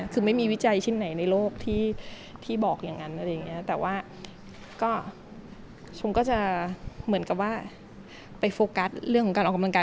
คือไม่มีวิจัยชิ้นไหนในโลกที่บอกอย่างนั้นอะไรอย่างนี้แต่ว่าก็ชมก็จะเหมือนกับว่าไปโฟกัสเรื่องของการออกกำลังกาย